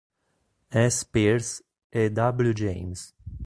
S. Peirce e W. James.